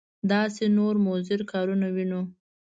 داسې نور مضر کارونه وینو.